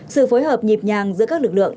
sự phối hợp nhịp nhàng giữa các lực lượng